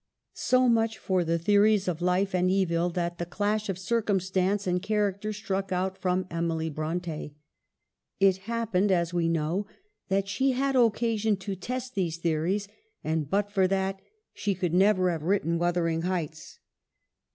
So much for the theories of life and evil that the clash of circumstance and character struck out from Emily Bronte. It happened, as we know, that she had occasion to test these theo ries ; and but for that she could never have writ ten ' Wuthering Heights.'